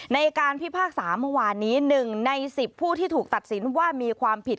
ในการพิพากษาเมื่อวานนี้๑ใน๑๐ผู้ที่ถูกตัดสินว่ามีความผิด